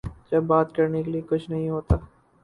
جب بات کرنے کیلئے کچھ نہیں ہوتا۔